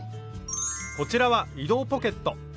こちらは移動ポケット。